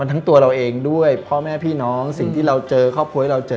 ทั้งตัวเราเองด้วยพ่อแม่พี่น้องสิ่งที่เราเจอครอบครัวให้เราเจอ